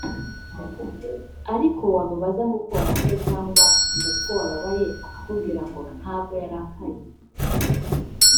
ariko wamubaza ngo ko warakaye cyangwa ngo ko wababaye akakubwira ngo ntabwo yarakaye